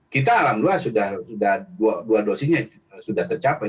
kita alhamdulillah sudah dua dosisnya sudah tercapai